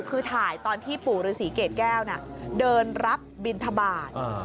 คือถ่ายตอนที่ปู่ฤษีเกรดแก้วเดินรับบินทบาท